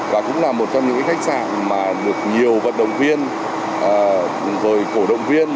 và cũng là một trong những khách sạn mà được nhiều vận động viên rồi cổ động viên